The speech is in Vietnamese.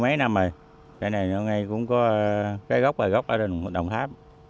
mấy năm rồi cây này cũng có cái gốc ở đồng tháp